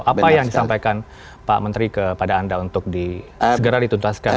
apa yang disampaikan pak menteri kepada anda untuk segera dituntaskan